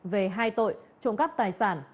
về hai tội trộm cắp tài sản